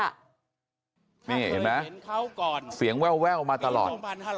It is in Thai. นี่เห็นไหมเสียงแววมาตลอด